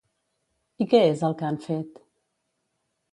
I què és el que han fet?